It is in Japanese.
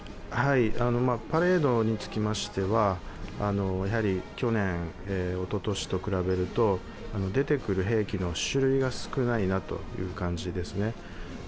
パレードにつきましては去年、おととしと比べると出てくる兵器の種類が少ないなという感じですね。